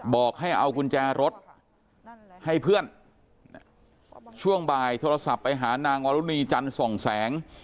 บอกให้เอากุญแจรถให้เพื่อนช่วงบ่ายโทรศัพท์ไปหานางวรุณีจันทร์ส่องแสง